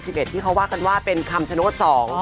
เพราะเขาว่ากันว่าเป็นคำชนะโบสส๒